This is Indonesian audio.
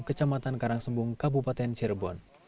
kecamatan karangsembung kabupaten cirebon